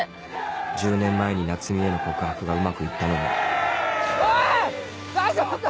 １０年前に奈津美への告白がうまく行ったのもおい大丈夫か？